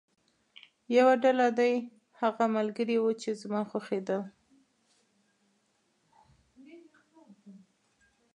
یوه ډله دې هغه ملګري وو چې زما خوښېدل.